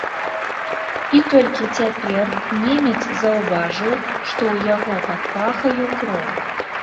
І толькі цяпер немец заўважыў, што ў яго пад пахаю кроў.